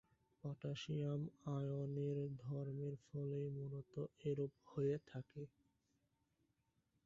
Potassium আয়নের ধর্মের ফলেই মূলত এরূপ হয়ে থাকে।